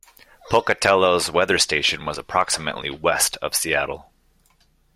"Pocatello"'s weather station was approximately west of Seattle.